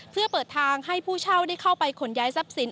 เพื่อเปิดทางให้ผู้เช่าได้เข้าไปขนย้ายทรัพย์สิน